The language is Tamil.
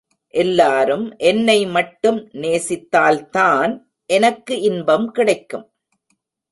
எல்லாரும் என்னை மட்டும் நேசித்தால்தான் எனக்கு இன்பம் கிடைக்கும்.